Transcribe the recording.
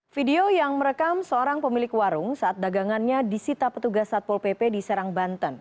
video yang merekam seorang pemilik warung saat dagangannya disita petugas satpol pp di serang banten